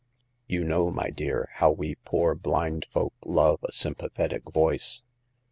You know, my dear, how we poor blind folk love a sympa thetic voice.